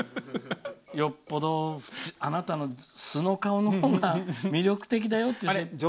よっぽどあなたの素の顔のほうが魅力的だよ。